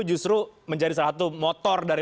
justru menjadi salah satu motor dari